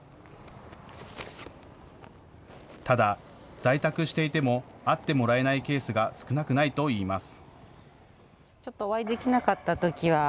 ただ、在宅していても会ってもらえないケースが少なくないといいます。